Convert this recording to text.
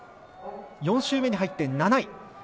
４周目に入って７位。